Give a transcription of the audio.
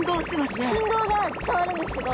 振動が伝わるんですけど。